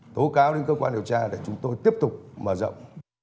tố cáo đến cơ quan điều tra để chúng tôi tiếp tục mở rộng